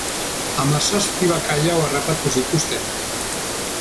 Hamazazpi bakailao harrapatu zituzten.